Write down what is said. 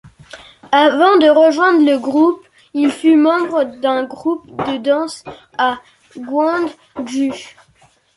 Avant de rejoindre le groupe, il fut membre d'un groupe de danse à Gwangju.